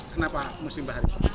kenapa museum bahari